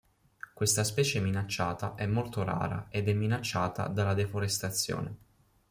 Questa specie minacciata è molto rara ed è minacciata dalla deforestazione.